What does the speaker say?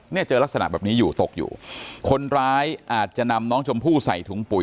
เนี่ยเจอลักษณะแบบนี้อยู่ตกอยู่คนร้ายอาจจะนำน้องชมพู่ใส่ถุงปุ๋ย